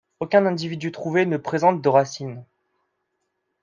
Aucun individu trouvé ne présente de racines.